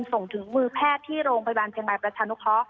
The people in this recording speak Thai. ส่งถึงมือแพทย์ที่โรงพยาบาลเชียงรายประชานุเคราะห